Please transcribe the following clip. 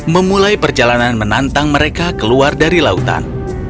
memulai perjalanan menantang mereka keluar dari lautan